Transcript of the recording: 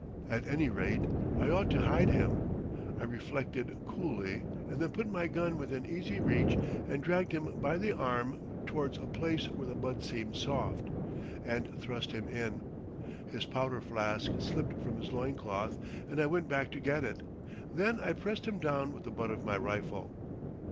At any rate, I ought to hide him. I reflected coolly, and then put my gun within easy reach and dragged him by the arm towards a place where the mud seemed soft, and thrust him in. His powder flask slipped from his loin cloth, and I went back to get it. Then I pressed him down with the butt of my rifle.